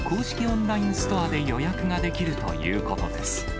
オンラインストアで予約ができるということです。